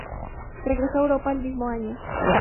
Regresó a Europa el mismo año.